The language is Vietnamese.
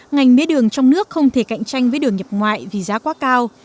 ngành mía đường trong nước không thể cạnh tranh với đường nhập ngoại vì giá quá cao